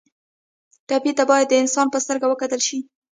ټپي ته باید د انسان په سترګه وکتل شي.